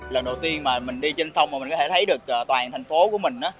lần đầu tiên mà mình đi trên sông mà mình có thể thấy được toàn thành phố của mình